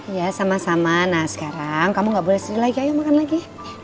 ya sama sama nah sekarang kamu nggak boleh sedih lagi ayo makan lagi